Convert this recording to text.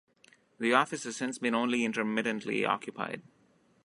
The office has since been only intermittently occupied.